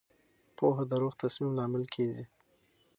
پوهه د روغ تصمیم لامل کېږي.